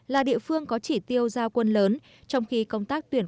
là địa phương có chỉ tiêu giao quân lớn